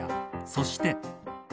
そして。